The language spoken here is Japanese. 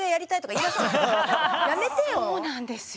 そうなんですよ。